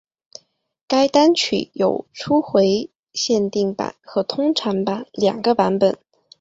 该单曲有初回限定版和通常版两种版本。